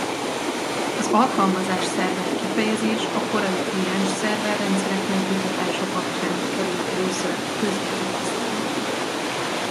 Az alkalmazásszerver kifejezés a korai kliens-szerver rendszerek megvitatása kapcsán került először köznyelvi használatba.